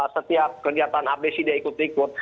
setiap kegiatan abis dia ikut ikut